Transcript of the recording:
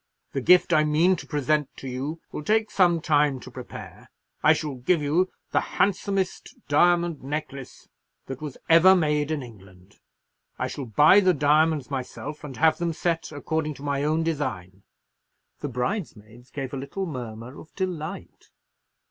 The gift I mean to present to you will take some time to prepare. I shall give you the handsomest diamond necklace that was ever made in England. I shall buy the diamonds myself, and have them set according to my own design." The bridesmaids gave a little murmur of delight.